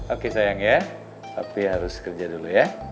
oke sayang ya tapi harus kerja dulu ya